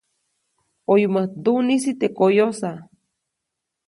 ʼOyumäjt nduʼnisi teʼ koyosa.